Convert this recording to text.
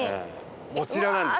こちらなんです。